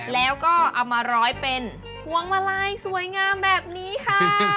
แล้วก็เอามาร้อยเป็นพวงมาลัยสวยงามแบบนี้ค่ะ